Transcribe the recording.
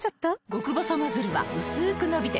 極細ノズルはうすく伸びて